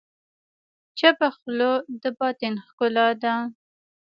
چپه خوله، د باطن ښکلا ده.